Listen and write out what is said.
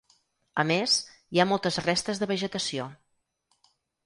A més, hi ha moltes restes de vegetació.